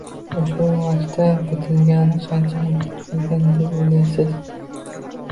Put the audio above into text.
Ushbu maktub bitilganiga qancha muddat bo‘lgan deb o‘ylaysiz?